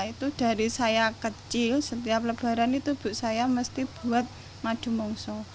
itu dari saya kecil setiap lebaran itu bu saya mesti buat madu mongso